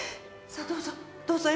さどうぞ。